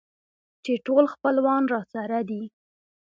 چې ټول خپلوان راسره دي.